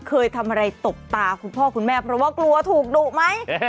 เคยทำอะไรตบตาคุณพ่อคุณแม่เพราะว่ากลัวถูกดุไหม